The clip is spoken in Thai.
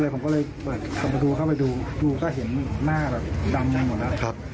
ผมก็เลยเข้าไปดูก็เลยดูแล้วเห็นหน้าแบบดำหรืออะไร